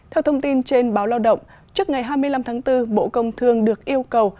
theo thông tin trên báo lao động trước ngày hai mươi năm tháng bốn bộ công thương được yêu cầu